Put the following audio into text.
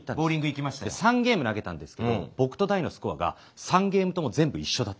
３ゲーム投げたんですけど僕と大のスコアが３ゲームとも全部一緒だった。